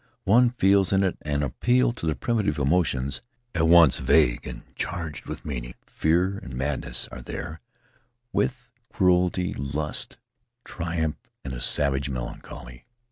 One feels in it an appeal to the primitive emotions, at once vague and charged with meaning; fear and madness are there, with cruelty, lust, triumph, and a savage melancholy.